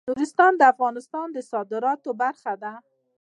نورستان د افغانستان د صادراتو برخه ده.